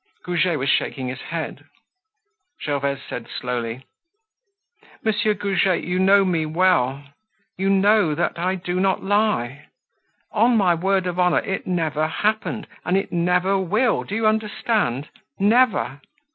Goujet was shaking his head. Gervaise said slowly: "Monsieur Goujet, you know me well. You know that I do not lie. On my word of honor, it never happened, and it never will, do you understand? Never!